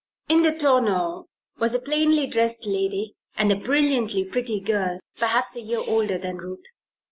In the tonneau was a plainly dressed lady and a brilliantly pretty girl perhaps a year older than Ruth.